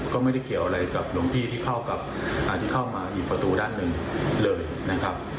ก็ไม่ได้เกี่ยวอะไรกับหลวงพี่ที่เข้ากับที่เข้ามาอีกประตูด้านหนึ่งเลยนะครับ